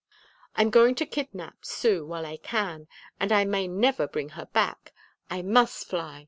"I'm going to kidnap Sue while I can, and I may never bring her back. I must fly!"